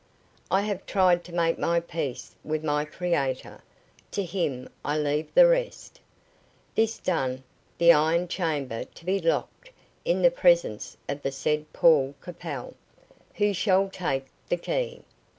I have tried to make my peace with my Creator; to Him I leave the rest. This done, the iron chamber to be locked in the presence of the said Paul Capel, who shall take the key.